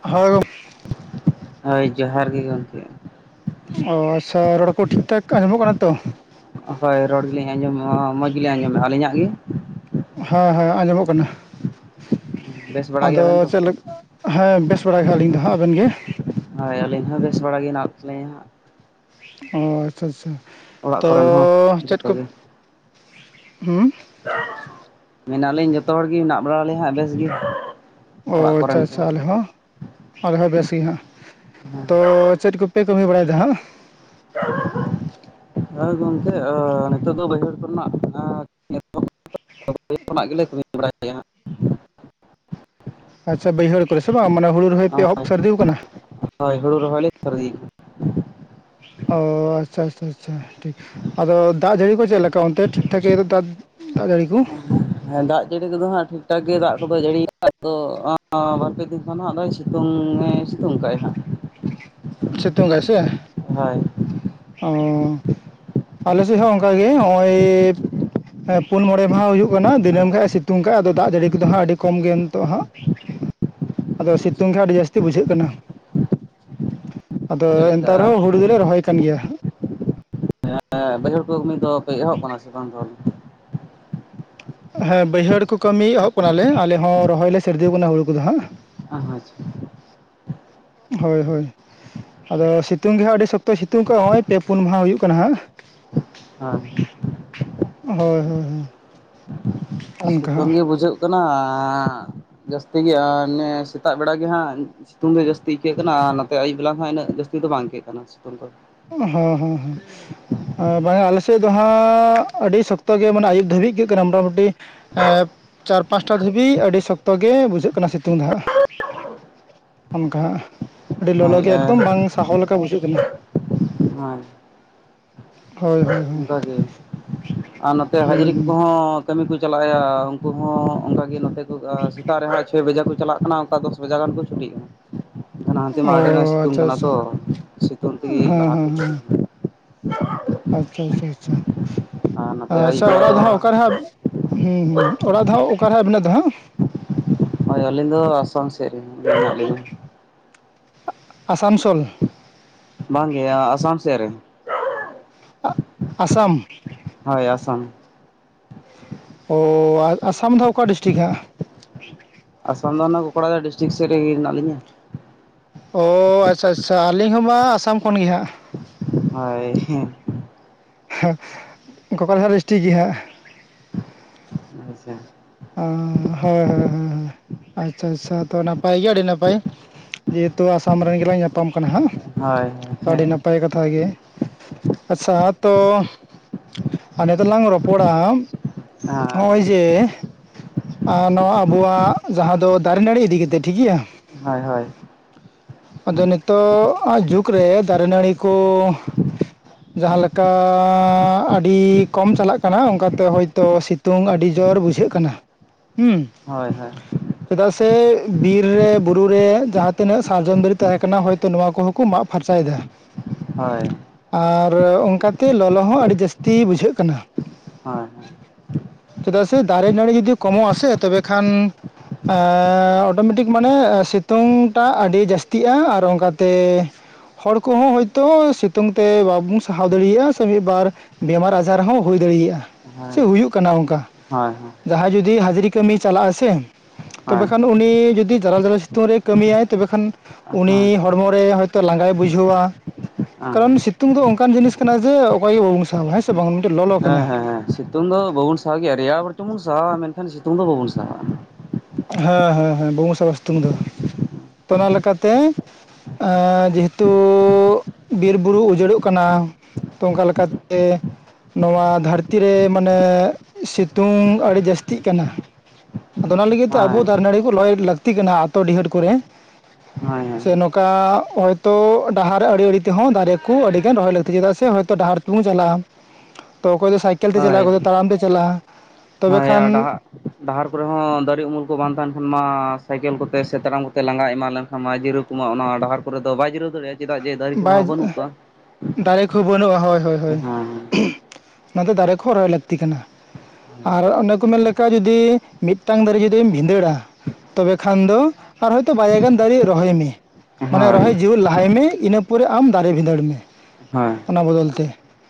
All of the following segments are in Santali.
ᱦᱳᱭ ᱦᱳᱭ ᱡᱚᱦᱟᱨ ᱜᱮ ᱜᱚᱝᱠᱮ ᱚ ᱟᱪᱪᱷᱟ ᱨᱚᱲ ᱠᱚ ᱴᱷᱤᱠ ᱴᱷᱟᱠ ᱟᱸᱡᱚ ᱢᱚᱜ ᱠᱟᱱᱟ ᱛᱚ? ᱦᱳᱭ ᱨᱚᱲ ᱜᱮᱞᱤᱧ ᱟᱸᱡᱚᱢᱮᱫᱼᱟ ᱢᱚᱡᱽ ᱜᱮᱞᱤᱧ ᱟᱸᱡᱚᱢᱮᱫᱼᱟ ᱟᱹᱞᱤᱧᱟᱜ ᱜᱮ? ᱦᱮᱸ ᱦᱮᱸ ᱟᱸᱡᱚᱢᱚᱜ ᱠᱟᱱᱟ᱾ ᱵᱮᱥ ᱵᱟᱲᱟ ᱟᱫᱚ ᱜᱮᱭᱟᱵᱮᱱ ᱛᱚ ᱪᱮᱫ ᱦᱮᱸ ᱵᱮᱥ ᱵᱟᱲᱟᱭ ᱜᱮ ᱟᱹᱞᱤᱧ ᱫᱚ ᱦᱟᱸᱜ ᱟᱵᱮᱱ ᱜᱮ? ᱦᱳᱭ ᱟᱹᱞᱤᱧ ᱦᱚᱸ ᱵᱮᱥ ᱵᱟᱲᱟ ᱜᱮ ᱦᱮᱱᱟᱜ ᱞᱤᱧᱟ᱾ ᱚ ᱟᱪᱪᱷᱟ ᱟᱪᱪᱷᱟ ᱚᱲᱟᱜ ᱛᱚ ᱠᱚᱨᱮᱱ ᱦᱚᱸ ᱪᱮᱫ ᱡᱚᱛᱚ ᱠᱚ ᱜᱮ ᱢᱮᱱᱟᱜ ᱞᱤᱧ ᱡᱚᱛᱚ ᱦᱚᱲᱜᱮ ᱢᱮᱱᱟᱜ ᱵᱟᱲᱟᱞᱤᱧ ᱦᱟᱸᱜ ᱵᱮᱥ ᱜᱮ ᱚ ᱚᱲᱟᱜ ᱟᱪᱪᱷᱟ ᱠᱚᱨᱮᱱ ᱠᱚ ᱟᱪᱪᱷᱟ ᱟᱞᱮ ᱦᱚᱸ ᱟᱞᱮ ᱦᱚᱸ ᱵᱮᱥ ᱜᱮ ᱦᱟᱜ ᱦᱮᱸ ᱛᱚ ᱪᱮᱫ ᱠᱚᱯᱮ ᱠᱟᱹᱢᱤ ᱵᱟᱲᱟᱭᱮᱫᱟ ᱦᱟᱜ? [inaudible] ᱦᱮᱸ ᱜᱚᱝᱠᱮ ᱱᱤᱛᱚᱜ ᱫᱚ ᱵᱟᱹᱭᱦᱟᱹᱲ ᱠᱚᱨᱮ ᱱᱟᱜ [unintelligible] ᱠᱷᱚᱱᱟᱜ ᱜᱮᱞᱮ ᱠᱟᱹᱢᱤ ᱵᱟᱲᱟᱭ ᱫᱟ ᱦᱟᱜ᱾ ᱟᱪᱪᱷᱟ ᱵᱟᱹᱭᱦᱟᱹᱲ ᱠᱚᱨᱮ ᱥᱮ ᱵᱟᱝ ᱢᱟᱱᱮ ᱦᱩᱲᱩ ᱨᱚᱦᱚᱭ ᱯᱮ ᱮᱚᱵ ᱦᱟᱸᱜ ᱥᱟᱨᱫᱤ ᱟᱠᱟᱱᱟ᱾ ᱦᱳᱭ ᱦᱩᱲᱩ ᱨᱚᱦᱚᱭ ᱞᱮ ᱥᱟᱹᱨᱫᱤ ᱟᱠᱟᱱᱟ᱾ ᱚ ᱟᱪᱪᱷᱟ ᱟᱪᱪᱷᱟ ᱴᱷᱤᱠ ᱟᱫᱚ ᱫᱟᱜ ᱡᱟᱹᱲᱤ ᱠᱚ ᱪᱮᱫ ᱞᱮᱠᱟ ᱚᱱᱛᱮ ᱴᱷᱤᱠ ᱴᱷᱟᱠ ᱜᱮ᱾ ᱫᱤᱜ ᱡᱟᱹᱲᱤ ᱠᱚ ᱦᱮᱸ ᱫᱟᱜ ᱡᱟᱹᱲᱤ ᱠᱚᱫᱚ ᱦᱟᱸᱜ ᱴᱷᱤᱠ ᱴᱷᱟᱠ ᱜᱮ ᱫᱟᱜ ᱠᱚᱫᱚ ᱡᱟᱹᱲᱤᱭ ᱫᱚ ᱵᱟᱨᱯᱮ ᱫᱤᱱ ᱱᱟᱜ ᱫᱚᱭ ᱥᱤᱛᱩᱝᱮ ᱥᱤᱛᱩᱝ ᱠᱟᱭ ᱦᱟᱸᱜ ᱥᱤᱛᱩᱝᱜᱟ ᱥᱮ ᱦᱳᱭ ᱚ ᱟᱞᱮ ᱥᱮᱫ ᱦᱚᱸ ᱚᱱᱠᱟᱜᱮ ᱱᱚᱜᱼᱚᱭ ᱮ ᱯᱩᱱ ᱢᱚᱬᱮ ᱢᱟᱦᱟ ᱦᱩᱭᱩᱜ ᱠᱟᱱᱟ ᱫᱤᱱᱟᱹᱢ ᱠᱷᱟᱱᱡ ᱮ ᱥᱤᱛᱩᱝ ᱠᱷᱟᱡ ᱟᱫᱚ ᱫᱟᱜ ᱡᱟᱹᱲᱤ ᱠᱚ ᱫᱚ ᱦᱟᱜ ᱟᱹᱰᱤ ᱠᱚᱢ ᱜᱮ ᱱᱤᱛᱚᱜ ᱦᱟᱜ ᱾ ᱟᱫᱚ ᱥᱤᱛᱩᱝ ᱜᱮ ᱟᱹᱰᱤ ᱡᱟᱹᱥᱛᱤ ᱵᱩᱡᱷᱟᱹᱜ ᱠᱟᱱᱟ᱾ ᱟᱫᱚ ᱪᱮᱫ ᱞᱮᱠᱟ ᱮᱱᱛᱮ ᱨᱮᱦᱚᱸ ᱦᱩᱲᱩ ᱫᱚᱞᱮ ᱨᱚᱦᱚᱭ ᱠᱟᱱ ᱜᱮᱭᱟ ᱵᱟᱹᱭᱦᱟᱹᱲ ᱠᱚ ᱩᱱᱤ ᱫᱚ ᱯᱮ ᱮᱦᱚᱵ ᱟᱠᱟᱱᱟ ᱥᱮ ᱵᱟᱝ ᱫᱚ ᱦᱮᱸ ᱵᱟᱹᱭᱦᱟᱹᱲ ᱠᱚ ᱠᱟᱹᱢᱤ ᱮᱦᱚᱵ ᱠᱟᱱᱟᱞᱮ ᱟᱞᱮ ᱦᱚᱸ ᱨᱚᱦᱚᱭ ᱞᱮ ᱥᱟᱨᱫᱤ ᱟᱠᱟᱱᱟ ᱦᱩᱲᱩ ᱠᱚᱫᱚ ᱦᱟᱸᱜ ᱟᱪᱪᱷᱟ ᱦᱳᱭ ᱦᱳᱭ ᱟᱫᱚ ᱥᱤᱛᱩᱝ ᱜᱮ ᱦᱟᱸᱜ ᱟᱹᱰᱤ ᱥᱚᱠᱛᱚᱭ ᱥᱤᱛᱩᱝ ᱟᱠᱟᱟᱜᱼᱟ ᱱᱚᱜᱼᱚᱭ ᱯᱮ ᱯᱩᱱ ᱢᱟᱦᱟ ᱦᱩᱭᱩᱜ ᱠᱟᱱᱟ ᱦᱟᱸᱜ ᱦᱳᱭ ᱦᱳᱭ ᱦᱳᱭ ᱦᱳᱭ ᱚᱱᱠᱟ ᱥᱤᱛᱩᱝ ᱦᱟᱸᱜ ᱜᱮ ᱵᱩᱡᱷᱟᱹᱜ ᱠᱟᱱᱟ ᱟᱸ ᱡᱟᱹᱥᱛᱤ ᱜᱮ ᱮ ᱥᱮᱛᱟᱜ ᱵᱮᱲᱟ ᱜᱮ ᱦᱟᱸᱜ ᱥᱤᱛᱩᱝ ᱫᱚ ᱡᱟᱹᱥᱛᱤ ᱟᱹᱭᱠᱟᱹᱜ ᱠᱟᱱᱟ ᱟᱨ ᱱᱚᱛᱮ ᱟᱹᱭᱩᱵ ᱵᱮᱞᱟ ᱦᱚᱸ ᱤᱱᱟᱹᱜ ᱡᱟᱹᱥᱛᱤ ᱫᱚ ᱵᱟᱝ ᱟᱹᱭᱠᱟᱹᱜ ᱠᱟᱱᱟ᱾ ᱥᱤᱛᱩᱝ ᱫᱚ᱾ ᱦᱮᱸ ᱦᱮᱸ ᱦᱮᱸ ᱵᱟᱝᱟ ᱟᱞᱮᱥᱮᱫ ᱫᱚ ᱦᱟᱸᱜ ᱟᱹᱰᱤ ᱥᱚᱠᱛᱚ ᱜᱮ ᱢᱟᱱᱮ ᱟᱹᱭᱩᱵ ᱫᱷᱟᱹᱵᱤᱡ ᱟᱹᱭᱠᱟᱹᱜ ᱠᱟᱱᱟ ᱢᱚᱴᱟᱢᱩᱴᱤ ᱪᱟᱨ ᱯᱟᱸᱪᱴᱟ ᱫᱷᱟᱹᱵᱤᱡ ᱟᱹᱰᱤ ᱥᱚᱠᱛᱚ ᱜᱮ ᱵᱩᱡᱷᱟᱹᱜ ᱠᱟᱱᱟ ᱥᱤᱛᱩᱝ ᱫ ᱦᱟᱸ [inaudible] ᱚᱱᱠᱟ ᱟᱹᱰᱤ ᱞᱚᱞᱚ ᱦᱳᱭ ᱜᱮ ᱮᱠᱫᱚᱢ ᱵᱟᱝ ᱥᱟᱦᱚ ᱞᱮᱠᱟ ᱵᱩᱡᱷᱟᱹᱜ ᱠᱟᱱᱟ ᱦᱭ ᱦᱳᱭ ᱦᱳᱭ ᱦᱳᱭ ᱚᱱᱠᱟᱜᱮ ᱟᱨ ᱱᱚᱛᱮ ᱦᱟᱹᱡᱨᱤ ᱦᱩᱸ ᱠᱚᱦᱚᱸ ᱠᱟᱹᱢᱤ ᱠᱚ ᱪᱟᱞᱟᱜᱼᱟ ᱩᱱᱠᱩ ᱦᱚᱸ ᱚᱱᱠᱟᱜᱮ ᱱᱚᱛᱮ ᱠᱚ ᱥᱮᱛᱟᱜ ᱨᱮᱦᱟᱸᱜ ᱪᱷᱚᱭ ᱵᱟᱡᱮ ᱠᱚ ᱪᱟᱞᱟᱜ ᱠᱟᱱᱟ ᱫᱚᱥ ᱵᱟᱡᱟᱜ ᱜᱟᱱ ᱠᱚ ᱪᱷᱩᱴᱤᱼᱼ ᱦᱟᱱᱛᱮ ᱦᱩᱸ ᱢᱟ ᱚ ᱟᱹᱰᱤᱱᱟᱜ ᱥᱤᱛᱩᱝ ᱟᱪᱪᱷᱟ ᱠᱟᱱᱟ ᱟᱪᱪᱷᱟ ᱛᱚ ᱥᱤᱛᱩᱝ ᱛᱮᱜᱮ ᱦᱮᱸ ᱞᱟᱦᱟ ᱦᱮᱸ ᱨᱮᱠᱚ ᱦᱮᱸ ᱡᱩᱴ, [unintelligible] ᱟᱪᱪᱷᱟ ᱟᱪᱪᱷᱟ ᱟᱪᱪᱷᱟ ᱟᱨ ᱱᱚᱛᱮ ᱟᱹᱭᱩᱵ ᱟᱪᱪᱷᱟ ᱵᱮᱲᱟ ᱚᱲᱟᱜ ᱫᱚ ᱦᱟᱸᱜ ᱚᱠᱟᱨᱮ ᱦᱟᱸᱜᱼᱼ ᱦᱚᱢ ᱦᱚᱢ ᱚᱲᱟᱜ ᱫᱣ ᱚᱠᱟᱨᱮ ᱟᱹᱵᱤᱱᱟᱜ ᱫᱚ ᱦᱟᱸ? ᱦᱳᱭ ᱟᱹᱞᱤᱧ ᱫᱚ ᱟᱥᱟᱢ ᱥᱮᱫ ᱨᱮ ᱢᱮᱱᱟᱜ ᱞᱤᱧᱟ᱾ ᱟᱥᱟᱱᱥᱳᱞ? ᱵᱟᱝ ᱜᱮᱭᱟ ᱟᱥᱟᱢ ᱥᱮᱱ ᱨᱮᱼᱼ ᱟᱥᱟᱢ ᱦᱳᱭ ᱟᱥᱟᱢ ᱚ ᱟᱥᱟᱢ ᱫᱚ ᱚᱠᱟ ᱰᱤᱥᱴᱤᱠ ᱦᱟᱜ? ᱟᱥᱟᱢ ᱫᱚ ᱚᱱᱟ ᱠᱳᱠᱲᱟᱡᱟᱨᱮᱭᱟ ᱰᱤᱥᱴᱤᱠ ᱥᱮᱫ ᱨᱮ ᱦᱮᱱᱟᱜ ᱞᱤᱧᱟ᱾ ᱚ ᱟᱪᱪᱷᱟ ᱟᱪᱪᱷᱟ ᱟᱹᱞᱤᱧ ᱦᱚᱸᱵᱟ ᱟᱥᱟᱢ ᱠᱷᱚᱱ ᱜᱮᱮ ᱦᱟᱸᱟᱜ ᱦᱳᱭ ᱦᱮᱸ ᱜᱳᱠᱲᱟᱡᱟ ᱰᱤᱥᱴᱤᱠ ᱜᱮ ᱦᱟᱸᱜ᱾ ᱟᱪᱪᱷᱟ ᱚ ᱦᱳᱭ ᱦᱳᱭ ᱦᱳᱭ ᱟᱪᱪᱷᱟ ᱟᱪᱪᱷᱟ ᱛᱚ ᱱᱟᱯᱟᱭ ᱜᱮ ᱟᱹᱰᱤ ᱱᱟᱯᱟᱭ᱾ ᱡᱮ ᱦᱮᱛᱩ ᱟᱥᱟᱢ ᱨᱮᱱ ᱜᱮᱞᱟᱝ ᱧᱟᱯᱟᱢ ᱠᱟᱱᱟ ᱦᱟ᱾ ᱦᱳᱭ ᱱᱟᱯᱟᱭ ᱠᱟᱛᱷᱟ ᱜᱮ ᱟᱪᱪᱷᱟ ᱛᱚᱼᱼ ᱟᱨ ᱱᱤᱛᱚᱜ ᱞᱟᱝ ᱨᱚᱯᱚᱲᱟ ᱱᱚᱼᱚᱭ ᱟᱨ ᱡᱮᱼᱼ ᱟ ᱱᱚᱣᱟ ᱟᱵᱚᱣᱟᱜ ᱡᱟᱦᱟᱸ ᱫᱚ ᱫᱟᱨᱮ ᱱᱟᱹᱲᱤ ᱤᱫᱤ ᱠᱟᱛᱮ ᱴᱷᱤᱠ ᱜᱮᱮᱭᱟ᱾ ᱦᱳᱭ, ᱦᱳᱭ ᱟᱫᱚ ᱱᱤᱛᱚ ᱟ ᱡᱩᱜᱽ ᱨᱮ ᱫᱟᱨᱮ ᱱᱟᱹᱲᱤ ᱠᱚᱼᱼ ᱡᱟᱦᱟᱸᱞᱮᱠᱟ ᱟᱹᱰᱤ ᱠᱚᱢ ᱪᱟᱞᱟᱜ ᱠᱟᱱᱟ ᱚᱱᱠᱟᱛᱮ ᱦᱳᱭᱛᱚ ᱥᱤᱛᱼᱼ ᱥᱤᱛᱝ ᱟᱹᱰᱤ ᱡᱳᱨ ᱵᱩᱡᱷᱟᱹᱜ ᱠᱟᱱᱟ ᱦᱩᱸ᱾ ᱦᱳᱭ ᱦᱳᱭ, ᱪᱮᱫᱟᱜ ᱥᱮ ᱵᱤᱨ ᱨᱮ ᱵᱩᱨ ᱨᱮ ᱡᱟᱦᱟᱸ ᱛᱤᱱᱟᱹᱜ ᱥᱟᱨᱡᱚᱢ ᱫᱟᱨᱤᱼᱼ ᱛᱟᱦᱮᱸ ᱠᱟᱱᱟ ᱦᱚᱭᱛᱳ ᱱᱚᱣᱟ ᱠᱚᱦᱚᱸ ᱠᱚ ᱢᱟᱜ ᱯᱷᱟᱨᱪᱟ ᱭᱮᱫᱟ᱾ ᱦᱳᱭ ᱟᱨ ᱚᱱᱠᱟᱛᱮ ᱞᱚᱞᱚ ᱦᱚᱸ ᱟᱹᱰᱤ ᱡᱟᱹᱥᱛᱤ ᱵᱩᱡᱷᱟᱹᱜ ᱠᱟᱱᱟ᱾ ᱦᱳᱭ ᱪᱮᱫᱟᱜ ᱥᱮ ᱫᱟᱨᱮ ᱱᱟᱹᱲᱤ ᱡᱩᱫᱤ ᱠᱚᱢᱚᱜ ᱟᱥᱮ ᱛᱚᱵᱮ ᱠᱷᱟᱱᱼᱼ ᱚᱴᱳᱢᱮᱴᱤᱠ ᱢᱟᱱᱮ ᱥᱤᱛᱩᱝ ᱴᱟᱜ ᱟᱹᱰᱤ ᱡᱟᱹᱥᱛᱤᱼᱼ ᱤᱫᱤᱭᱟ ᱟᱨ ᱚᱱᱠᱟᱛᱮᱼᱼ ᱦᱚᱲ ᱠᱚᱦᱚᱸ ᱦᱚᱳᱭᱛᱚ ᱥᱤᱛᱩᱝ ᱛᱮ ᱵᱟᱵᱚᱱ ᱥᱟᱦᱟᱣ ᱫᱟᱲᱮᱭᱟᱜᱼᱟ ᱥᱮ ᱢᱤᱫ ᱵᱟᱨᱼᱼ ᱵᱮᱤᱢᱟᱨ ᱟᱡᱟᱨ ᱦᱚᱸ ᱦᱩᱭ ᱫᱟᱲᱮᱭᱟᱼᱟ ᱦᱳᱭ ᱦᱳᱭ ᱥᱮ ᱦᱩᱭᱩᱜ ᱠᱟᱱᱟ ᱚᱱᱠᱟ᱾ ᱦᱳᱭ ᱡᱟᱦᱟᱸᱭ ᱡᱩᱫᱤ ᱦᱟᱡᱨᱤ ᱠᱟᱹᱢᱤᱤᱭ ᱪᱟᱞᱟᱜ ᱟᱥᱮᱼᱼ ᱛᱚᱵᱮ ᱠᱷᱟᱱ ᱩᱱᱤ ᱡᱩᱚᱫᱤ ᱢᱟᱨᱟᱞ ᱢᱟᱨᱟᱞ ᱥᱤᱛᱩᱝ ᱨᱮ ᱠᱟᱹᱢᱤᱭᱟᱭ ᱛᱚᱵᱮ ᱠᱷᱟᱱᱼᱼ ᱩᱱᱤ ᱦᱮᱸ ᱦᱮᱸ ᱦᱚᱲᱢᱚ ᱨᱮ ᱦᱚᱭᱛᱚ ᱞᱟᱸᱜᱟᱭ ᱵᱩᱡᱷᱟᱹᱣᱟ᱾ ᱠᱟᱨᱚᱱ ᱥᱤᱛᱩᱝ ᱫᱚ ᱚᱱᱠᱟᱱ ᱡᱤᱱᱤᱥ ᱠᱟᱱᱟ ᱡᱮ ᱚᱠᱚᱭ ᱜᱮ ᱵᱟᱵᱚᱱ ᱥᱟᱦᱟᱣᱼᱟ ᱦᱮᱸ ᱥᱮ ᱵᱟᱝ ᱢᱤᱫᱴᱮᱱ ᱞᱚ ᱞᱚ ᱠᱟᱱᱟ᱾ ᱦᱮᱸ ᱦᱮᱸ ᱥᱤᱛᱩᱝ ᱫᱚ ᱵᱟᱵᱩᱱ ᱥᱟᱦᱟᱣ ᱜᱮᱭᱟ ᱨᱮᱭᱟᱲ ᱵᱟᱨᱪᱚᱝ ᱵᱚᱱ ᱥᱟᱦᱟᱜᱼᱟ ᱢᱮᱱᱠᱷᱟᱱ ᱥᱤᱛᱩᱝ ᱫᱚ ᱵᱟᱵᱚᱱ ᱥᱟᱦᱟᱜᱼᱟ᱾ ᱦᱮᱸ ᱦᱮᱸ ᱦᱮᱸ ᱵᱟᱝ ᱥᱟᱦᱟ ᱟ ᱥᱤᱛᱩᱝ ᱫᱚ ᱛᱚ ᱚᱱᱟ ᱞᱮᱠᱟᱛᱮ ᱟᱼᱼ ᱡᱮᱦᱮᱛᱩ ᱵᱤᱨᱵᱩᱨᱩ ᱩᱡᱟᱹᱲᱚᱜ ᱠᱟᱱᱟ᱾ ᱛᱚ ᱚᱱᱠᱟ ᱞᱮᱠᱟᱛᱮᱻᱻ ᱱᱚᱣᱟ ᱫᱷᱟᱹᱨᱛᱤ ᱨᱮ ᱢᱟᱱᱮ ᱥᱤᱛᱩᱝ ᱟᱹᱰᱤ ᱡᱟᱹᱥᱛᱤᱜ ᱠᱟᱱᱟ᱾ ᱟᱫᱚ ᱚᱱᱟ ᱞᱟᱹᱜᱤᱫ ᱛᱮ ᱟᱵᱚ ᱦᱳᱭ ᱫᱟᱨᱮ ᱱᱟᱹᱲᱤ ᱠᱚ ᱞᱟᱹᱭ ᱞᱟᱹᱠᱛᱤ ᱠᱟᱱᱟ ᱟᱛᱳ ᱰᱤᱦᱟᱹᱛ ᱠᱚᱨᱮ᱾ ᱦᱳᱭ ᱦᱳᱭ ᱥᱮ ᱱᱚᱝᱠᱟ ᱦᱚᱭᱛᱚ ᱰᱟᱦᱟᱨ ᱟᱲᱮ ᱟᱲᱮ ᱛᱮ ᱦᱚᱸ ᱫᱟᱨᱮ ᱠᱚ ᱟᱹᱰᱤ ᱜᱟᱱ ᱨᱚᱦᱚᱭ ᱞᱟᱹᱠᱛᱤ ᱪᱮᱫᱟᱜ ᱥᱮ ᱦᱚᱭᱛᱚ ᱰᱟᱦᱟᱨ ᱛᱮᱻᱻ ᱛᱤᱜᱩ ᱪᱟᱞᱟᱜᱼᱟ ᱛᱚ ᱚᱠᱚᱭ ᱫᱚ ᱥᱟᱭᱠᱮᱞ ᱛᱮ ᱪᱟᱞᱟᱜᱼᱟ ᱚᱠᱚᱭ ᱫᱚ ᱛᱟᱲᱟᱢ ᱛᱮ ᱪᱟᱞᱟᱜᱼᱟ᱾ ᱛᱚᱵᱮ ᱠᱷᱟᱱ ᱦᱚᱭᱟ ᱰᱟᱦᱟᱜ ᱰᱟᱦᱟᱨ ᱠᱚᱨᱮ ᱦᱚᱸ ᱫᱟᱨᱮ ᱩᱢᱩᱞ ᱠᱚ ᱵᱟᱝ ᱛᱟᱦᱮᱱ ᱠᱷᱟᱱ ᱢᱟ ᱥᱟᱭᱠᱮᱞ ᱠᱚᱛᱮ ᱥᱮ ᱛᱟᱲᱟᱢ ᱠᱚᱛᱮ ᱞᱟᱸᱜᱟ ᱮᱢᱟᱱ ᱞᱮᱱᱠᱷᱟᱱ ᱢᱟ ᱡᱤᱨᱟᱣ ᱚᱱᱟ ᱰᱟᱦᱟᱨ ᱠᱚᱨᱮ ᱫᱚ ᱵᱟᱭ ᱡᱤᱨᱟᱹᱣ ᱫᱟᱲᱮᱭᱟᱜᱼᱟ ᱪᱮᱫᱟᱜ ᱡᱮ ᱫᱟᱨᱮ ᱠᱚᱦᱚᱸ ᱵᱟᱹᱱᱩᱜ ᱠᱚᱣᱟ᱾ ᱠᱷᱩ ᱵᱟᱹᱱᱩᱜᱼᱟ ᱦᱳᱭ ᱦᱳᱭ ᱦᱳᱭ ᱦᱮᱸ ᱚᱱᱟᱛᱮ ᱫᱟᱨᱮ ᱠᱚ ᱦᱚᱸ ᱨᱚᱦᱚᱭ ᱞᱟᱹᱠᱛᱤ ᱠᱟᱱᱟ᱾ ᱟᱨ ᱚᱱᱮ ᱠᱚ ᱢᱮᱱ ᱞᱮᱠᱷᱷᱟ ᱡᱩᱫᱤ ᱢᱤᱫᱴᱟᱝ ᱫᱟᱨᱮ ᱡᱩᱫᱤᱢ ᱵᱷᱤᱸᱫᱟᱹᱲᱟ ᱛᱚᱵᱮ ᱠᱷᱟᱱ ᱫᱚ ᱟᱨ ᱦᱚᱭᱛᱳ ᱵᱟᱨ ᱜᱟᱱ ᱫᱟᱨᱮ ᱨᱚᱦᱚᱭ ᱢᱮ ᱢᱟᱱᱮ ᱦᱳᱭ ᱨᱚᱦᱚᱭ ᱡᱮᱣᱮᱫ ᱞᱟᱦᱟᱭ ᱢᱮ ᱤᱱᱟᱹ ᱯᱚᱨᱮ ᱟᱢ ᱫᱟᱨᱮ ᱵᱷᱸᱤᱫᱟᱹᱲ ᱢᱮ ᱦᱳᱭ ᱚᱱᱟ ᱵᱚᱫᱚᱞ ᱛᱮ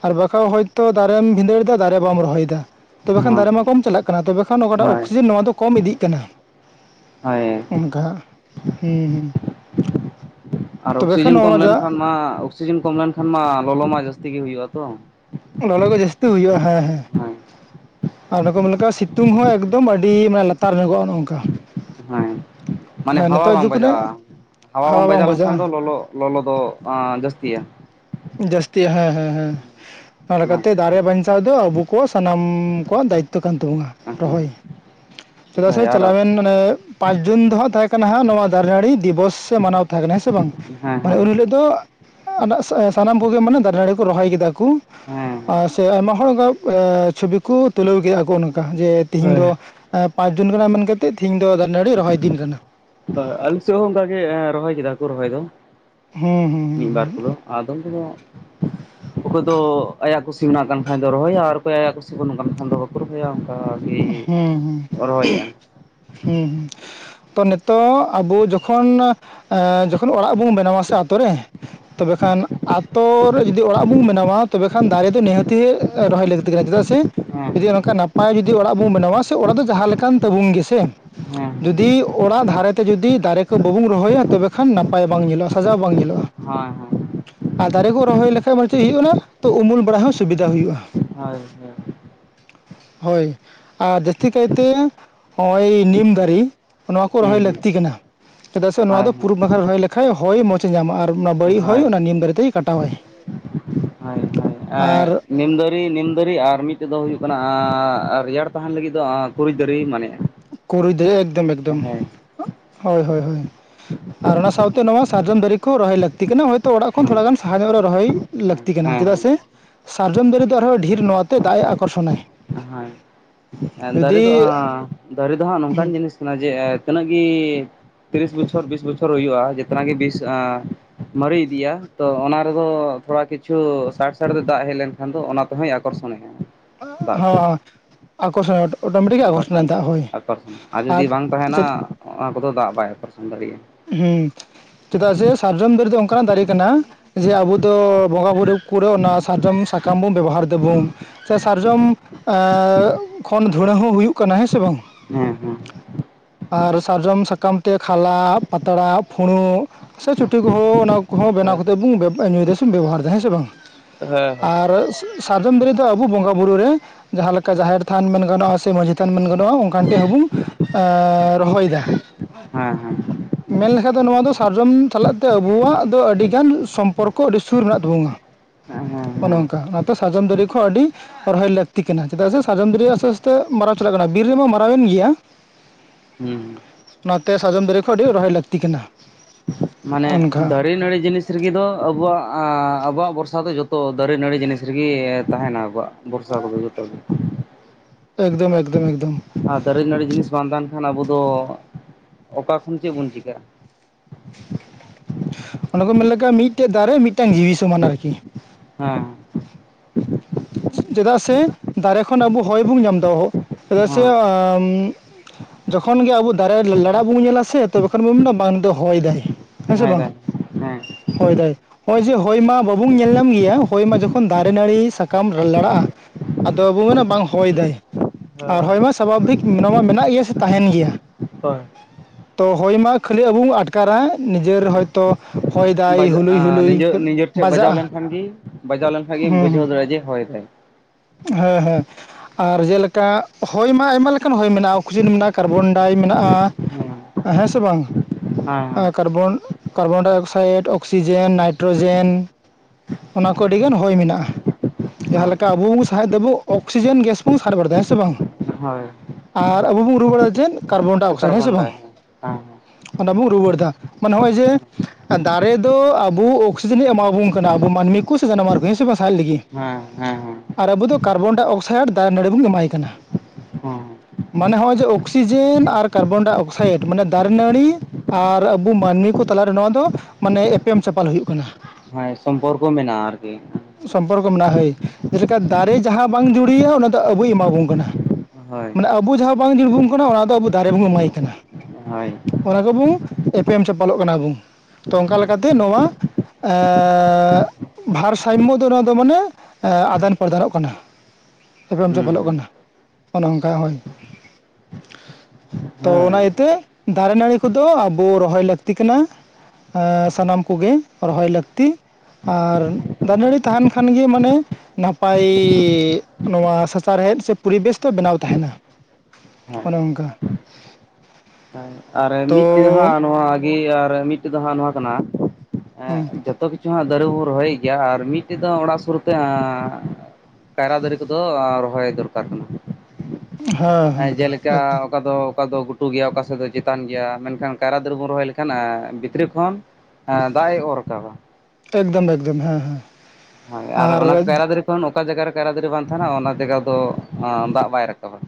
ᱟᱨ ᱵᱟᱠᱷᱟᱡ ᱦᱚᱭᱛᱚ ᱫᱟᱨᱮᱢ ᱵᱷᱤᱸᱫᱟᱹᱲ ᱫᱟᱨᱮ ᱵᱟᱢ ᱨᱚᱦᱚᱭᱮᱫᱟ ᱛᱚᱵᱮ ᱠᱷᱟᱱ ᱦᱳᱭ ᱫᱟᱨᱮ ᱢᱟ ᱠᱚᱢ ᱪᱟᱞᱟᱜ ᱠᱟᱱᱟ ᱛᱚᱵᱮᱠᱷᱟᱱ ᱚᱠᱟᱴᱟᱜ ᱦᱳᱭ ᱚᱠᱥᱤᱡᱮᱱ ᱱᱚᱣᱟ ᱫᱚ ᱠᱚᱢ ᱤᱫᱤᱜ ᱠᱟᱱᱟ ᱦᱳᱭ ᱚᱱᱠᱟ ᱦᱩᱸ ᱦᱩᱸ ᱟᱨ ᱚᱠᱥᱤᱡᱮᱱ ᱠᱚᱢ ᱱᱚᱣᱟ ᱡᱟ ᱞᱮᱱᱠᱷᱟᱱ ᱢᱟ ᱚᱠᱥᱤᱡᱮᱱ ᱠᱚᱢ ᱞᱮᱱᱠᱷᱟᱱ ᱢᱟ ᱞᱚᱞᱚ ᱢᱟ ᱡᱟᱹᱥᱛᱤᱜ ᱜᱮ ᱦᱩᱭᱩᱜᱼᱟ ᱛᱚ ᱞᱚᱞᱚ ᱜᱮ ᱡᱟᱹᱥᱛᱤ ᱦᱩᱭᱩᱜᱼᱟ ᱦᱮᱸ ᱦᱮᱸ ᱟᱨ ᱠᱚ ᱢᱮᱱ ᱞᱮᱠᱟ ᱥᱤᱛᱩᱝ ᱦᱚᱸ ᱮᱠᱫᱚᱢ ᱟᱹᱰᱤ ᱢᱟᱱᱮ ᱞᱟᱛᱟᱨ ᱧᱚᱜᱼᱟ ᱱᱚ ᱱᱚᱝᱠᱟ ᱦᱮᱸ ᱢᱟᱱᱮ ᱦᱟᱣᱟ ᱵᱟᱝ ᱡᱩᱜᱽ ᱨᱮ ᱵᱟᱡᱟᱜᱼᱟ ᱦᱟᱣᱟ ᱵᱟᱝ ᱵᱟᱡᱟᱣ ᱞᱮᱱᱠᱷᱟᱱ ᱫᱚ ᱞᱚᱞᱚ ᱫᱚ ᱡᱟᱹᱥᱛᱤᱜᱟ᱾ ᱡᱟᱹᱥᱛᱤᱜ-ᱟ ᱦᱮᱸ ᱦᱮᱸ ᱦᱮᱸ ᱚᱱᱟ ᱞᱮᱠᱟᱛᱮ ᱫᱟᱨᱮ ᱵᱟᱧᱪᱟᱣ ᱫᱚ ᱟᱵᱚ ᱠᱚᱣᱟᱜ ᱥᱟᱱᱟᱢ ᱠᱚᱣᱟᱜ ᱫᱟᱭᱤᱛᱛᱚ ᱠᱟᱱ ᱛᱟᱵᱚᱱᱟ ᱨᱚᱦᱚᱭ ᱪᱮᱫᱟᱜ ᱦᱳᱭ ᱥᱮ ᱟᱨᱚ ᱪᱟᱞᱟᱣᱮᱱ ᱯᱟᱸᱪ ᱡᱩᱱ ᱫᱚ ᱦᱟᱸᱜ ᱛᱟᱦᱮᱸ ᱠᱟᱱᱟ ᱦᱟᱸᱜ ᱱᱚᱣᱟ ᱫᱟᱨ ᱱᱟᱹᱲᱤ ᱫᱤᱵᱚᱥ ᱢᱟᱱᱟᱣ ᱛᱟᱦᱮᱸ ᱠᱟᱱᱟ ᱦᱮᱸ ᱥᱮ ᱵᱟᱝ ᱦᱮᱸ ᱢᱟᱱᱮ ᱦᱮᱸ ᱩᱱ ᱦᱤᱞᱳᱜ ᱫᱚ ᱥᱟᱱᱟᱢ ᱠᱚᱜᱮ ᱢᱟᱱᱮ ᱫᱟᱨᱮ ᱱᱟᱹᱲᱤ ᱠᱚ ᱨᱚᱦᱚᱭ ᱠᱮᱫᱟ ᱠᱚ᱾ ᱦᱮᱸ ᱥᱮ ᱟᱭᱢᱟ ᱦᱚᱲ ᱪᱷᱩᱚᱵᱤ ᱠᱚ ᱛᱩᱞᱟᱹᱣ ᱠᱮᱫᱼᱟ ᱠᱚ ᱡᱮ ᱦᱳᱭ ᱛᱤᱦᱤᱧ ᱫᱚ ᱦᱳᱭ ᱯᱟᱸᱪ ᱡᱚᱱ ᱠᱟᱱᱟ ᱢᱮᱱᱠᱟ ᱠᱟᱛᱮᱜ ᱛᱮᱤᱦᱤᱧ ᱫᱚ ᱫᱟᱨᱮ ᱱᱟᱹᱲᱤ ᱨᱚᱦᱚᱭ ᱫᱤᱱ ᱠᱟᱱᱟ᱾ ᱟᱞᱮ ᱥᱮᱫ ᱦᱚᱸ ᱚᱱᱠᱟ ᱜᱮ ᱨᱚᱦᱚᱭ ᱠᱮᱫᱟ ᱠᱚ ᱨᱚᱦᱚᱭ ᱫᱚ ᱦᱮᱸ ᱦᱮᱸ ᱢᱤᱫᱵᱟᱨ ᱠᱚᱫᱚ ᱟᱫᱚᱢ ᱠᱚᱫᱚ ᱚᱠᱚᱭ ᱫᱚ ᱟᱭᱟᱜ ᱠᱩᱥᱤ ᱢᱮᱱᱟᱜ ᱠᱟᱱ ᱠᱷᱟᱱ ᱫᱚ ᱨᱚᱦᱚᱭᱟ ᱟᱨ ᱚᱠᱚᱭᱟᱜ ᱟᱭᱟᱜ ᱠᱩᱥᱤ ᱵᱟᱹᱱᱩᱜ ᱠᱟᱱ ᱠᱷᱟᱱ ᱫᱚ ᱵᱟᱠᱚ ᱨᱚᱦᱚᱭᱟ ᱚᱱᱠᱟ ᱦᱮᱸ ᱦᱮᱸ ᱦᱮᱸ ᱦᱮᱸ ᱛᱚ ᱱᱤᱛᱚᱜ ᱟᱵᱚ ᱡᱚᱠᱷᱚᱱ ᱡᱚᱠᱷᱚᱱ ᱚᱲᱟᱜ ᱵᱚᱱ ᱵᱮᱱᱟᱣᱟ ᱥᱮ ᱟᱛᱳ ᱨᱮ᱾ ᱛᱚᱵᱮ ᱠᱷᱟᱱ ᱟᱛᱳ ᱨᱮ ᱡᱩᱫᱤ ᱚᱲᱟᱜ ᱵᱚᱱ ᱢᱮᱱᱟᱣᱟ ᱛᱚᱵᱮ ᱠᱷᱟᱱ ᱫᱟᱨᱮ ᱫᱚ ᱱᱤᱦᱟᱹᱛᱤ ᱨᱚᱦᱚᱭ ᱞᱟᱹᱠᱛᱤ ᱠᱟᱱᱟ ᱪᱮᱫᱟᱜ ᱥᱮ ᱦᱮᱸ ᱡᱩᱫᱤ ᱱᱚᱝᱠᱟ ᱱᱟᱯᱟᱭ ᱡᱩᱫᱤ ᱚᱲᱟᱜ ᱵᱚᱱ ᱵᱮᱱᱟᱣᱟ ᱥᱮ ᱚᱲᱟᱜ ᱫᱚ ᱡᱟᱦᱟᱸ ᱞᱮᱠᱟᱱ ᱛᱟᱵᱚᱱ ᱜᱮᱥᱮ ᱦᱮᱸ ᱡᱩᱫᱤ ᱚᱲᱟᱜ ᱫᱷᱟᱨᱮᱛᱮ ᱡᱩᱫᱤ ᱫᱟᱨᱮ ᱠᱚ ᱵᱟᱵᱚᱱ ᱨᱚᱦᱚᱭᱟ ᱛᱚᱵᱮ ᱠᱷᱟᱱ ᱱᱟᱯᱟᱭ ᱵᱟᱝ ᱧᱮᱞᱚᱜᱼᱟ ᱥᱟᱡᱟᱣ ᱵᱟᱝ ᱧᱮᱞᱚᱜᱼᱟ᱾ ᱦᱳᱭ ᱦᱳᱭ ᱟᱨ ᱫᱟᱨᱮ ᱠᱚ ᱨᱚᱦᱚᱭ ᱞᱮᱠᱷᱟᱡ ᱪᱮᱫ ᱦᱳᱭᱳᱜᱼᱟ ᱛᱚ ᱩᱢᱩᱞ ᱵᱟᱲᱟ ᱦᱚᱸ ᱥᱩᱵᱤᱫᱟ ᱦᱩᱭᱩᱜᱼᱟ᱾ ᱦᱳᱭ ᱦᱳᱭ ᱦᱳᱭ ᱟᱨ ᱡᱟᱹᱥᱛᱤ ᱠᱟᱭᱛᱮ ᱱᱚᱜ ᱚᱭ ᱱᱤᱢ ᱫᱟᱨᱮ ᱱᱚᱣᱟ ᱠᱚ ᱦᱩᱸ ᱨᱚᱦᱚᱭ ᱞᱟᱹᱠᱛᱤ ᱠᱟᱱᱟ᱾ ᱪᱮᱫᱟᱜ ᱥᱮ ᱱᱚᱣᱟ ᱦᱳᱭ ᱫᱚ ᱯᱩᱨᱩᱵ ᱵᱟᱠᱷᱨᱟ ᱨᱚᱦᱚᱭ ᱞᱮᱠᱷᱟᱱ ᱦᱚᱭ ᱢᱚᱡᱮ ᱧᱟᱢᱟ ᱟᱨ ᱚᱱᱟ ᱦᱳᱭ ᱵᱟᱹᱲᱤᱡ ᱦᱚᱭ ᱦᱳᱭ ᱚᱱᱟ ᱱᱤᱢ ᱫᱟᱨᱮ ᱛᱮ ᱠᱟᱴᱟᱣᱟᱭ ᱦᱳᱭ ᱟᱨ ᱱᱤᱢ ᱫᱟᱨᱤ ᱱᱤᱢ ᱫᱟᱨᱤ ᱟᱨ ᱟᱨ ᱢᱤᱫᱴᱮᱡ ᱫᱚ ᱦᱩᱭᱩᱜ ᱠᱟᱱᱟ ᱨᱮᱭᱟᱲ ᱛᱟᱦᱮᱱ ᱞᱟᱹᱜᱤᱫ ᱫᱚ ᱠᱚᱨᱩᱢᱽ ᱫᱟᱨᱮ ᱢᱟᱱᱮᱜᱼᱟ ᱠᱚᱨᱩᱢᱽ ᱮᱠᱫᱚᱢ ᱮᱠᱫᱚᱢ ᱦᱳᱭ ᱦᱳᱭ, ᱟᱨ ᱚᱱᱟ ᱥᱟᱶᱛᱮ ᱱᱚᱣᱟ ᱥᱟᱨᱡᱚᱢ ᱫᱟᱨᱮ ᱠᱚ ᱨᱚᱦᱚᱭ ᱞᱟᱹᱠᱛᱤ ᱠᱟᱱᱟ ᱦᱳᱭᱛᱳ ᱚᱲᱟᱜ ᱠᱷᱚᱱ ᱛᱷᱚᱲᱟ ᱜᱟᱱ ᱥᱟᱦᱟ ᱧᱚᱜ ᱨᱮ ᱨᱚᱦᱚᱭ ᱞᱟᱹᱠᱛᱤ ᱞᱟᱹᱠᱛᱤ ᱠᱟᱱᱟ ᱦᱮᱸ ᱪᱮᱫᱟᱜ ᱥᱮ ᱦᱮᱸ ᱥᱟᱨᱡᱚᱢ ᱫᱟᱨᱮ ᱫᱚ ᱟᱨᱚᱸ ᱰᱷᱮᱨ ᱱᱚᱣᱟᱛᱮ ᱫᱟᱜ ᱮ ᱟᱠᱚᱨᱥᱚᱱᱟᱭ ᱦᱳᱭ ᱫᱟᱨᱮ ᱡᱩᱫᱤ ᱫᱚ ᱫᱟᱨᱮ ᱫᱚ ᱦᱟᱸᱜ ᱱᱚᱝᱠᱟᱱ ᱡᱤᱱᱤᱥ ᱠᱟᱱᱟ ᱡᱮ ᱛᱤᱱᱟᱹᱜ ᱜᱮ ᱛᱤᱨᱤᱥ ᱵᱚᱪᱷᱚᱨ ᱵᱤᱥ ᱵᱚᱪᱷᱚᱨ ᱦᱩᱭᱩᱜᱼᱟ ᱡᱛᱮᱚᱱᱟᱜ ᱜᱮ ᱵᱤᱥᱼᱼ ᱢᱟᱨᱮ ᱤᱫᱤᱜᱟ ᱛᱚ ᱚᱱᱟ ᱨᱮᱫᱚ ᱛᱷᱚᱲᱟ ᱠᱤᱪᱷᱩ ᱥᱟᱰ ᱥᱟᱭᱰ ᱨᱮ ᱫᱟᱜ ᱦᱮᱡ ᱞᱮᱱᱠᱷᱟᱱ ᱫᱚ ᱚᱱᱟᱼᱼ ᱦᱚᱭ ᱟᱠᱚᱨᱥᱚ ᱱᱮᱜ ᱦᱚᱭ ᱟᱚᱨᱥᱚᱱ [unintelligible] ᱟᱨ ᱡᱩᱫᱤ ᱵᱟᱝ ᱛᱟᱦᱮᱱᱟ ᱚᱱᱟ ᱠᱚᱫᱚ ᱫᱟᱜ ᱵᱟᱭ ᱚᱯᱟᱨᱥᱚᱱ ᱫᱟᱲᱮᱭᱟᱜᱼᱟ᱾ ᱦᱮᱸ ᱪᱮᱫᱟᱜ ᱥᱮ ᱥᱟᱨᱡᱚᱢ ᱫᱟᱨᱮ ᱫᱚ ᱚᱱᱠᱟᱱᱟᱜ ᱫᱟᱨᱮ ᱠᱟᱱᱟ᱾ ᱡᱮ ᱟᱵᱚ ᱫᱚ ᱵᱚᱸᱜᱟ ᱵᱩᱨᱩ ᱠᱚᱨᱮ ᱚᱱᱟ ᱥᱟᱨᱡᱚᱢ ᱥᱟᱠᱟᱢ ᱵᱚᱱ ᱵᱮᱵᱚᱦᱟᱨ ᱮᱫᱟᱵᱚᱱᱼᱼ ᱥᱮ ᱥᱟᱨᱡᱚᱢ ᱠᱷᱚᱱ ᱫᱷᱩᱲᱟᱹ ᱦᱚᱸ ᱦᱩᱭᱩᱜ ᱠᱟᱱᱟ ᱦᱮᱸ ᱥᱮ ᱵᱟᱝ? ᱦᱮᱸ ᱦᱮᱸ ᱟᱨ ᱥᱟᱨᱡᱚᱢ ᱥᱟᱠᱟᱢ ᱛᱮ ᱠᱷᱟᱞᱟᱜ ᱯᱟᱛᱲᱟ ᱯᱷᱩᱲᱩᱜᱼᱼ ᱥᱮ ᱪᱩᱴᱤ ᱠᱚᱦᱚᱸ ᱚᱱᱟ ᱠᱚᱦᱚᱸ ᱵᱮᱱᱟᱣ ᱦᱮᱸ ᱠᱟᱛᱮᱫ ᱵᱩ ᱧᱩᱭ ᱫᱟ ᱥᱮ ᱵᱚᱱ ᱵᱮᱵᱚᱦᱟᱨ ᱮᱫᱟ ᱦᱮᱸ ᱥᱮ ᱵᱟᱝ? ᱦᱮᱸ ᱦᱮᱸ ᱦᱮᱸ ᱟᱨ ᱥᱟᱨᱡᱟᱢ ᱫᱟᱨᱮ ᱫᱚ ᱟᱵᱩ ᱵᱚᱸᱜᱟ ᱵᱩᱨᱩ ᱨᱮᱼᱼ ᱡᱟᱦᱟᱸ ᱞᱮᱠᱟ ᱡᱟᱦᱮᱨ ᱛᱷᱟᱱ ᱢᱮᱱ ᱜᱟᱱᱚᱜ-ᱟ ᱥᱮ ᱢᱟᱹᱡᱷᱤ ᱛᱷᱟᱱ ᱢᱮᱱ ᱜᱟᱱᱚᱜ-ᱟ ᱚᱱᱠᱟᱱ ᱴᱷᱮᱡ ᱦᱚᱸᱵᱚᱱᱼᱼ ᱮ ᱻᱻ ᱨᱚᱦᱚᱭᱮᱫᱟ ᱦᱮᱸ ᱦᱮᱸ ᱢᱮᱱᱞᱮᱠᱷᱟᱱ ᱫᱚ ᱱᱚᱣᱟ ᱫᱚ ᱥᱟᱨᱡᱚᱢ ᱥᱟᱞᱟᱜ ᱫᱚ ᱟᱵᱩᱣᱟᱜ ᱫᱚ ᱟᱹᱰᱤ ᱜᱟᱱ ᱥᱚᱢᱯᱚᱨᱠᱚ ᱟᱹᱰᱤ ᱥᱩᱨ ᱢᱮᱱᱟᱜ ᱛᱟᱵᱚᱱᱟ᱾ ᱦᱮᱸ ᱦᱮᱸ ᱦᱮᱸ ᱚᱱᱮ ᱦᱮᱸ ᱚᱱᱠᱟ ᱱᱚᱛᱮ ᱥᱟᱨᱡᱚᱢ ᱫᱟᱨᱮ ᱠᱚ ᱟᱹᱰᱤᱼᱼ ᱨᱚᱦᱚᱭ ᱞᱟᱹᱠᱛᱤ ᱠᱟᱱᱟ ᱪᱮᱫᱟᱜ ᱥᱮ ᱥᱟᱨᱡᱚᱢ ᱫᱟᱨᱤ ᱟᱥᱛᱮ ᱟᱥᱛᱮ ᱢᱟᱨᱟᱣ ᱪᱟᱞᱟᱜ ᱠᱟᱱᱟ ᱵᱤᱨ ᱨᱮᱢᱟ ᱢᱟᱨᱟᱣᱮᱱ ᱜᱮᱭᱟ᱾ ᱦᱩᱸ ᱚᱱᱟᱛᱮ ᱥᱟᱨᱡᱚᱢ ᱫᱟᱨᱤ ᱠᱚᱦᱚᱸ ᱟᱹᱰᱤ ᱨᱚᱦᱚᱭ ᱞᱟᱹᱠᱛᱤ ᱠᱟᱱᱟ᱾ ᱢᱟᱱᱮ ᱚᱱᱠᱟ ᱫᱟᱨᱤ ᱱᱟᱲᱤ ᱡᱤᱱᱤᱥᱼᱼ ᱡᱤᱥ ᱨᱮᱜᱮ ᱫᱚ ᱟᱵᱚᱣᱟᱜ ᱟᱵᱚᱣᱟᱜ ᱵᱚᱨᱥᱟ ᱫᱚ ᱡᱚᱛᱚ ᱫᱟᱨᱮ ᱱᱟᱹᱲᱤ ᱡᱤᱱᱤᱥ ᱨᱮᱜᱮ ᱛᱟᱦᱮᱱᱟ ᱟᱵᱚᱣᱟᱜ ᱵᱚᱨᱥᱟ ᱠᱚᱫᱚ ᱡᱚᱛᱚᱜ ᱜᱮ ᱮᱠᱫᱚᱢ, ᱮᱠᱫᱚᱢ, ᱮᱠᱫᱚᱢ ᱟᱨ ᱫᱟᱨᱮ ᱱᱟᱹᱲᱤ ᱡᱤᱱᱤᱥ ᱵᱟᱝ ᱛᱟᱦᱮᱱ ᱠᱷᱟᱱ ᱟᱵᱩ ᱫᱚ ᱚᱠᱟ ᱠᱷᱚᱱ ᱪᱤᱫ ᱵᱚᱱ ᱪᱤᱠᱟᱹᱜᱼᱟ ᱚᱱᱟ ᱠᱚ ᱢᱮᱱ ᱞᱮᱠᱟ ᱢᱤᱫᱴᱮᱡ ᱫᱟᱨᱮ ᱢᱤᱫᱴᱟᱝ ᱡᱤᱣᱤ ᱥᱚᱢᱟᱱ ᱟᱨᱠᱤ, ᱦᱮᱸ ᱪᱮᱫᱟᱜ ᱥᱮ ᱫᱟᱨᱮ ᱠᱷᱚᱱ ᱟᱵᱚ ᱦᱚᱭ ᱵᱚᱱ ᱧᱟᱢᱫᱟ ᱦᱮᱸ [unintelligible] ᱡᱚᱠᱷᱚᱱ ᱜᱮ ᱟᱵᱚ ᱫᱟᱨᱮ ᱞᱟᱲᱟᱜ ᱵᱚᱱ ᱧᱮᱞᱟ ᱥᱮ ᱛᱚᱵᱮᱠᱷᱚᱱ ᱵᱚᱱ ᱢᱮᱱᱟ ᱵᱟᱝ ᱱᱤᱛ ᱫᱚ ᱦᱚᱭ ᱫᱟᱭ ᱦᱮᱸ ᱥᱮ ᱵᱟᱝ? ᱫᱟ ᱦᱮᱸ ᱦᱳᱭ ᱫᱟᱭ ᱱᱚᱜᱼᱚᱭ ᱡᱮ ᱦᱚᱭ ᱢᱟ ᱵᱟᱵᱩᱱ ᱧᱮᱞ ᱧᱟᱢ ᱜᱮᱭᱟ ᱦᱚᱭ ᱢᱟ ᱡᱚᱠᱷᱚᱱ ᱫᱟᱨᱮ ᱱᱟᱹᱲᱤ ᱥᱟ ᱥᱟᱠᱟᱢ ᱞᱟᱲᱟᱜᱼᱟ ᱟᱫᱚ ᱵᱚ ᱢᱮᱱᱟ ᱵᱟᱝ ᱦᱚᱭ ᱫᱟᱭ᱾ ᱟᱨ ᱦᱚᱭ ᱢᱟ ᱥᱟᱵᱟᱵᱤᱠ ᱱᱚᱣᱟ ᱢᱟ ᱢᱮᱱᱟᱜ ᱜᱮᱭᱟ ᱥᱮ ᱛᱟᱦᱮᱱ ᱜᱮᱭᱟ᱾ ᱦᱳᱭ ᱛᱚ ᱦᱚᱭ ᱢᱟ ᱠᱷᱟᱹᱞᱤ ᱟᱵᱚ ᱵᱚ ᱟᱴᱠᱟᱨᱟ ᱱᱤᱡᱮᱨ ᱦᱚᱭ ᱛᱚ ᱵᱟᱡᱟᱼᱟ ᱱᱤᱡᱮᱨ ᱱᱤᱡᱮᱨ ᱴᱷᱮᱱ ᱵᱟᱡᱟᱣ ᱵᱟᱡᱟᱜᱼᱟ ᱞᱮᱱᱠᱷᱟᱱᱜᱤ ᱵᱟᱡᱟᱣ ᱞᱮᱱᱠᱷᱟᱱᱜᱤ ᱦᱩᱸ ᱵᱩᱡᱷᱟᱹᱣ ᱦᱩᱸ ᱫᱟᱲᱮᱭᱟᱜ-ᱟ ᱡᱮ ᱦᱳᱭ ᱫᱟᱭ ᱦᱮᱸ ᱦᱮᱸ ᱟᱨ ᱡᱮᱞᱮᱠᱟ ᱦᱚᱭ ᱢᱟ ᱟᱭᱢᱟ ᱞᱮᱠᱟᱱ ᱦᱚᱭ ᱢᱮᱱᱟᱜᱟ ᱚᱠᱥᱤᱡᱮᱱ ᱢᱮᱱᱟᱜᱼᱟ ᱠᱟᱨᱵᱚᱱᱰᱟᱭ ᱢᱮᱱᱟᱜᱼᱟ ᱦᱮᱸ ᱥᱮ ᱵᱟᱝ? ᱦᱮᱸ ᱠᱟᱨᱵᱚᱱ ᱠᱟᱨᱵᱚᱱᱰᱟᱭ ᱚᱠᱥᱟᱭᱤᱰ ᱚᱠᱥᱤᱡᱮᱱ ᱱᱟᱭᱴᱨᱳᱡᱮᱱ ᱚᱱᱟ ᱠᱚ ᱟᱹᱰᱤ ᱜᱟᱱ ᱦᱚᱭ ᱢᱮᱱᱟᱜ-ᱟ, ᱡᱟᱦᱟᱸ ᱞᱮᱠᱟ ᱟᱵᱩ ᱥᱟᱦᱮᱸᱜ ᱫᱚᱵᱚ ᱚᱠᱥᱤᱡᱮᱱ ᱜᱮᱥ ᱵᱚᱱ ᱥᱟᱨᱵᱷᱟᱨ ᱫᱟ ᱦᱮᱸ ᱥᱮ ᱵᱟᱝ? ᱦᱳᱭ᱾ ᱟᱨ ᱟᱵᱩ ᱵᱚᱱ ᱩᱨᱩᱜ ᱵᱟᱲᱟᱭᱟ ᱪᱮᱫ ᱠᱟᱨᱵᱚᱱᱰᱟᱭ ᱚᱠᱥᱟᱭᱤᱰ ᱦᱮᱸ ᱥᱮ ᱠᱟᱨᱵᱚᱱ ᱵᱟᱝ? ᱰᱟᱭ ᱦᱮᱸ ᱚᱱᱟ ᱵᱚᱱ ᱨᱩᱣᱟᱹᱲ ᱫᱟ, ᱢᱟᱱᱮ ᱦᱚᱸᱜ-ᱚᱭ ᱡᱮ ᱟᱨ ᱫᱟᱨᱮ ᱫᱚ ᱟᱵᱩ ᱚᱠᱥᱤᱡᱮᱱᱮ ᱮᱢᱟᱵᱩᱱ ᱠᱟᱱᱟ ᱟᱵᱩ ᱢᱟᱹᱱᱢᱤ ᱠᱚ ᱥᱮ ᱡᱟᱱᱣᱟᱨ ᱠᱚ ᱦᱮᱸ ᱥᱮ ᱵᱟᱝ ᱥᱟᱦᱮᱫ ᱞᱟᱹᱜᱤᱫ? ᱦᱮᱸ ᱦᱮᱸ᱾ ᱦᱮᱸ ᱟᱨ ᱟᱵᱩ ᱫᱚ ᱠᱟᱨᱵᱚᱱᱰᱟᱭ ᱚᱠᱥᱟᱭᱮᱰ ᱫᱟᱨᱮ ᱱᱟᱹᱲᱤ ᱵᱚᱱ ᱮᱢᱟᱭ ᱠᱟᱱᱟ᱾ ᱦᱮᱸ ᱢᱟᱱᱮ ᱦᱚᱸᱜ-ᱚᱭ ᱡᱮ ᱚᱠᱥᱤᱡᱮᱱ ᱟᱨ ᱠᱟᱨᱵᱚᱱᱰᱟᱭ ᱚᱠᱥᱟᱭᱤᱰ ᱢᱟᱱᱮ ᱫᱟᱨᱮ ᱱᱟᱹᱲᱤ ᱟᱨ ᱟᱵᱩ ᱢᱟᱹᱱᱢᱤ ᱠᱚ ᱛᱟᱞᱟᱨᱮ ᱱᱚᱣᱟ ᱫᱚ ᱢᱟᱱᱮ ᱮᱯᱮᱢ ᱪᱟᱯᱟᱞ ᱦᱩᱭᱩᱜ ᱠᱟᱱᱟ᱾ ᱦᱮᱸ ᱥᱚᱢᱯᱚᱨᱠᱚ ᱢᱮᱱᱟᱜ-ᱟ ᱟᱨᱠᱤ᱾ ᱥᱚᱢᱯᱚᱨᱠᱚ ᱢᱮᱱᱟᱜ-ᱟ ᱦᱳᱭ, ᱡᱮᱞᱮᱠᱟ ᱫᱟᱨᱮ ᱡᱟᱦᱟᱸ ᱵᱟᱝ ᱡᱩᱲᱤᱭᱟᱹ ᱚᱱᱟ ᱫᱚ ᱟᱵᱩᱭ ᱮᱢᱟ ᱵᱚᱱ ᱠᱟᱱᱟ᱾ ᱦᱳᱭ ᱢᱟᱱᱮ ᱟᱵᱩ ᱡᱟᱦᱟᱸ ᱵᱟᱝ [unintelligible] ᱠᱟᱱᱟ ᱚᱱᱟ ᱫᱚ ᱟᱵᱚ ᱫᱟᱨᱮ ᱵᱚᱱ ᱮᱢᱟᱭ ᱠᱟᱱᱟ᱾ ᱦᱳᱭ ᱚᱱᱟ ᱠᱚᱵᱩᱱ ᱮᱯᱮᱢ ᱪᱟᱯᱟᱞᱚᱜ ᱠᱟᱱᱟ ᱵᱩᱱ, ᱛᱚ ᱚᱱᱠᱟ ᱞᱮᱠᱟᱛᱮ ᱱᱚᱣᱟ ᱮᱸᱻ ᱵᱷᱟᱨ ᱥᱟᱭᱢᱢᱚ ᱫᱚ ᱱᱚᱣᱟ ᱫᱚ ᱢᱟᱱᱮ ᱮᱸᱻ ᱟ ᱫᱟᱱ ᱯᱚᱨᱫᱟᱱᱚᱜ ᱠᱟᱱᱟ, ᱮᱯᱮᱢ ᱪᱟᱯᱚᱞᱚᱜ ᱦᱩᱸ ᱠᱟᱱᱟ, ᱚᱱᱮ ᱚᱱᱠᱟ ᱦᱳᱭ᱾ ᱛᱚ ᱦᱳᱭ ᱚᱱᱟ ᱤᱭᱟᱹ ᱛᱮ, ᱫᱟᱨᱮ ᱱᱟᱹᱲᱤ ᱠᱚᱫᱚ ᱟᱵᱚ ᱨᱚᱦᱚᱭ ᱞᱟᱹᱠᱛᱤ ᱠᱟᱱᱟ, ᱟᱻᱻᱥᱟᱱᱟᱢ ᱠᱚᱜᱮ ᱨᱚᱦᱚᱭ ᱞᱟᱹᱠᱛᱤ ᱟᱨ ᱫᱟᱨᱮ ᱱᱟᱹᱲᱤ ᱛᱟᱦᱮᱱ ᱠᱷᱟᱱ ᱜᱮ ᱢᱟᱱᱮ ᱱᱟᱯᱟᱭ ᱱᱚᱣᱟ ᱥᱟᱪᱟᱨᱦᱮᱫ ᱥᱮ ᱯᱚᱨᱤᱵᱮᱥ ᱫᱚ ᱵᱮᱱᱟᱣ ᱛᱟᱦᱮᱸᱱᱟ᱾ ᱦᱳᱭ ᱚᱱᱮ ᱚᱱᱠᱟ᱾ ᱟᱨ ᱛᱚ ᱢᱤᱫ ᱛᱮ ᱫᱚ ᱦᱟᱸᱜ ᱱᱚᱣᱟ ᱜᱮ ᱟᱨ ᱢᱤᱫ ᱛᱮ ᱫᱚ ᱦᱟᱸᱜ ᱱᱚᱣᱟ ᱠᱟᱱᱟ, ᱦᱩᱸ ᱮᱸ ᱡᱚᱛᱚ ᱠᱤ ᱪᱷᱩ ᱦᱟᱸᱜ ᱫᱟᱨᱮ ᱵᱩ ᱨᱚᱦᱚᱭᱮᱜ ᱜᱮᱭᱟ ᱟᱨ ᱢᱤᱫ ᱴᱮᱡ ᱫᱚ ᱚᱲᱟᱜ ᱥᱩᱨᱛᱮ ᱟᱸᱻ ᱠᱟᱭᱨᱟ ᱫᱟᱨᱮ ᱠᱚᱫᱚ ᱟᱸ ᱨᱚᱦᱚᱭ ᱫᱚᱨ ᱠᱟᱨ ᱠᱟᱱᱟ᱾ ᱦᱮᱸ ᱮ ᱡᱮᱞᱮᱠᱟ ᱦᱮᱸ ᱦᱮᱸ ᱚᱠᱟ ᱫᱚ ᱚᱠᱟ ᱫᱚ ᱜᱷᱩᱴᱩ ᱜᱮᱭᱟ, ᱚᱠᱟ ᱥᱮᱫ ᱫᱚ ᱪᱮᱛᱟᱱ ᱜᱮᱭᱟ ᱢᱮᱱ ᱠᱷᱟᱱ ᱠᱟᱭᱨᱟ ᱫᱟᱨᱮ ᱵᱚᱱ ᱨᱚᱦᱚᱭ ᱞᱮᱠᱷᱟᱱ ᱟᱸ ᱵᱷᱤᱛᱨᱤ ᱠᱷᱚᱱ, ᱮᱸ ᱫᱟᱜ ᱮ ᱚᱨ ᱨᱟᱠᱟᱵᱟ᱾ ᱮᱠᱫᱚᱢ ᱮᱠᱫᱚᱢ ᱦᱮᱸ ᱦᱮᱸ᱾ ᱦᱳᱭ ᱟᱨ ᱚᱱᱟ ᱠᱟᱭᱨᱟ ᱫᱟᱨᱤ ᱠᱷᱚᱱ ᱚᱠᱟ ᱡᱟᱜᱟᱨᱮ ᱠᱟᱭᱨᱟ ᱫᱟᱨᱮ ᱵᱟᱝ ᱛᱟᱦᱮᱱᱟ ᱚᱱᱟ ᱡᱟᱜᱟ ᱫᱚ ᱚᱸ ᱫᱟᱜ ᱵᱟᱭ ᱨᱟᱠᱟᱵᱟ᱾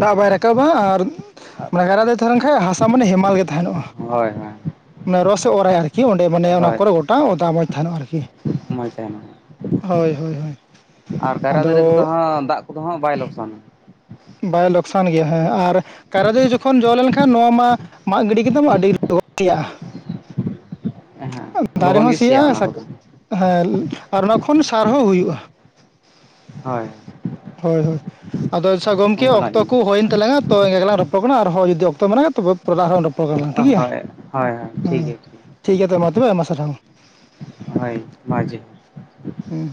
ᱫᱟᱜ ᱵᱟᱭ ᱨᱟᱠᱟᱵᱟ ᱟᱨ, ᱢᱟᱱᱮ ᱠᱟᱭᱨᱟ ᱫᱟᱨᱮ ᱛᱟᱦᱮᱸ ᱞᱮᱱ ᱠᱷᱟᱡ ᱦᱟᱥᱟ ᱢᱟᱱᱮ ᱦᱮᱢᱟᱞ ᱜᱮ ᱛᱟᱦᱮᱱᱚᱜᱼᱟ, ᱦᱳᱭ ᱦᱳᱭ ᱢᱟᱱᱮ ᱨᱚᱥ ᱮ ᱚᱨᱟᱭ ᱟᱨᱠᱤ ᱚᱸᱰᱮ ᱢᱟᱱᱮ ᱚᱱᱟ ᱦᱳᱭ ᱠᱚᱨᱮ ᱜᱚᱴᱟ ᱚᱫᱟ ᱢᱚᱡᱽ ᱛᱟᱦᱮᱱᱚᱜᱼᱟ ᱟᱨᱠᱤ᱾ ᱢᱚᱡᱽ ᱛᱟᱦᱮᱱᱟ, ᱦᱳᱭ ᱦᱳᱭ ᱦᱳᱭ ᱟᱨ ᱠᱟᱭᱨᱟ ᱟᱫᱚ ᱫᱟᱨᱮ ᱠᱚᱫᱚ ᱦᱟᱸᱜ ᱫᱟᱜ ᱠᱚᱫᱚ ᱦᱟᱸ ᱵᱟᱭ ᱞᱚᱠᱥᱟᱱᱟ᱾ ᱵᱟᱭ ᱞᱚᱠᱥᱟᱱ ᱜᱮᱭᱟ ᱦᱮᱸ ᱟᱨ ᱠᱟᱭᱨᱟ ᱫᱟᱨᱤ ᱡᱚᱠᱷᱚᱱ ᱡᱚ ᱞᱮᱱᱠᱷᱟᱱ ᱱᱚᱣᱟ ᱢᱟ ᱢᱟᱜ ᱜᱤᱰᱤ ᱠᱮᱫᱟᱢ ᱟᱹᱰᱤ ᱞᱚᱜᱚᱱ ᱥᱮᱭᱟᱜ-ᱟ᱾ ᱦᱮᱸ [inaudible] ᱫᱟᱨᱮ ᱞᱚᱜᱚᱱ ᱦᱚᱸ ᱜᱮ ᱥᱮᱭᱟ ᱥᱤᱭᱟᱜᱼᱟ ᱚᱱᱟ ᱥᱟᱠ ᱠᱚᱫᱚ ᱦᱮᱸ, ᱟᱨ ᱚᱱᱟ ᱠᱷᱚᱱ ᱥᱟᱨ ᱦᱚᱸ ᱦᱩᱭᱩᱜᱼᱟ᱾ ᱦᱳᱭ᱾ ᱦᱳᱭ ᱦᱳᱭ, ᱟᱫᱚ ᱟᱪᱪᱷᱟ ᱜᱚᱝᱠᱮ ᱚᱱᱠᱟᱱᱟᱜ ᱚᱠᱛᱚ ᱠᱚ ᱡᱤᱱᱤᱥ ᱦᱩᱭᱮᱱ ᱛᱟᱞᱟᱝᱟ ᱛᱚ ᱤᱱᱠᱟᱹ ᱜᱮᱞᱟᱝ ᱨᱚᱯᱚᱲ ᱠᱟᱱᱟ ᱟᱨᱦᱚᱸ ᱡᱩᱫᱤ ᱚᱠᱛᱚ ᱢᱮᱱᱟᱜᱼᱟ ᱛᱚᱵᱮ ᱯᱚᱨᱮ ᱞᱟᱝ‌ ᱟᱨᱦᱚᱸ ᱨᱚ ᱯᱚᱲ ᱠᱟᱱᱟ ᱞᱟᱝ ᱴᱷᱤᱠ ᱦᱳᱭ ᱜᱮᱭᱟ, ᱦᱳᱭ ᱦᱳᱭ ᱦᱮᱸ ᱴᱷᱤᱠ ᱜᱮᱭᱟ ᱴᱷᱤᱠ ᱜᱮᱭᱟ ᱛᱚᱵᱮ ᱢᱟ ᱛᱚᱵᱮ ᱟᱭᱢᱟ ᱥᱟᱨᱦᱟᱣ᱾ ᱦᱳᱭ ᱢᱟ ᱡᱚᱦᱟᱨ᱾ ᱦᱮᱸ